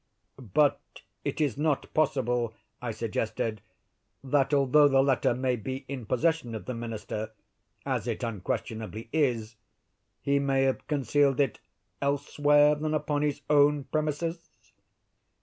"But is it not possible," I suggested, "that although the letter may be in possession of the minister, as it unquestionably is, he may have concealed it elsewhere than upon his own premises?"